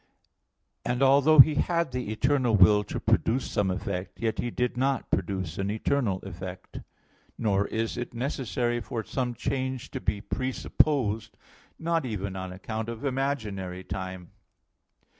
And although He had the eternal will to produce some effect, yet He did not produce an eternal effect. Nor is it necessary for some change to be presupposed, not even on account of imaginary time.